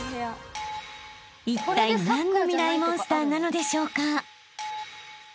［いったい何のミライ☆モンスターなのでしょうか？］